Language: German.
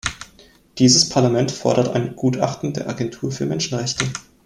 Dieses Parlament fordert ein Gutachten der Agentur für Menschenrechte.